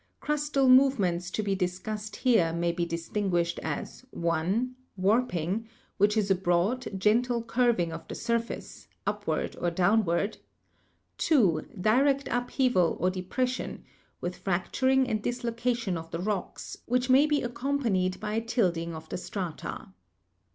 Crustal move ments to be discussed here may be distinguished as (i) Warping, which is a broad, gentle curving of the surface, upward or downward; (2) Direct Upheaval or Depres sion, with fracturing and dislocation of the rocks, which may be accompanied by a tilting of the strata.